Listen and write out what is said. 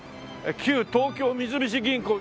「旧東京三菱銀行」